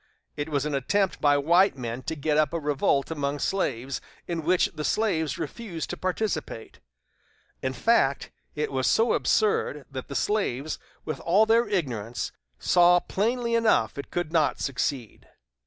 It was an attempt by white men to get up a revolt among slaves, in which the slaves refused to participate. In fact, it was so absurd that the slaves, with all their ignorance, saw plainly enough it could not succeed.